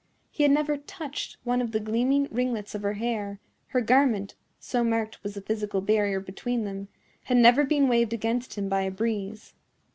He had never touched one of the gleaming ringlets of her hair; her garment—so marked was the physical barrier between them—had never been waved against him by a breeze.